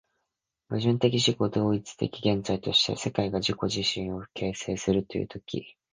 矛盾的自己同一的現在として、世界が自己自身を形成するという時、